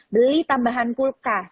beli tambahan kulkas